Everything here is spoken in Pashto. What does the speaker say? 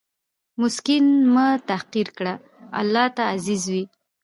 مسکین مه تحقیر کړه، الله ته عزیز وي.